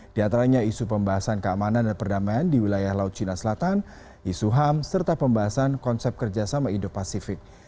di antaranya isu pembahasan keamanan dan perdamaian di wilayah laut cina selatan isu ham serta pembahasan konsep kerjasama indo pasifik